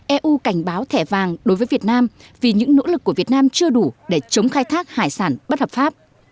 eu cảnh báo thẻ vàng đối với việt nam vì những nỗ lực của việt nam chưa đủ để chống khai thác hải sản bất hợp pháp